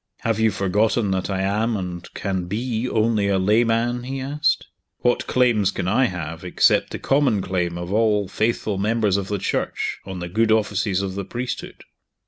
"Have you forgotten that I am, and can be, only a layman?" he asked. "What claims can I have, except the common claim of all faithful members of the Church on the good offices of the priesthood?"